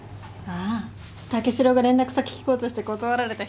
ああ武四郎が連絡先聞こうとして断られた人だ。